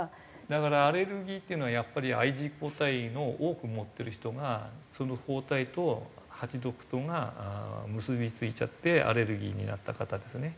だからアレルギーっていうのはやっぱりＩｇＥ抗体を多く持ってる人がその抗体と蜂毒とが結び付いちゃってアレルギーになった方ですね。